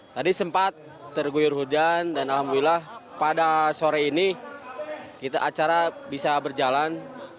tadi sempat terguyur hujan dan alhamdulillah pada sore ini acara bisa berjalan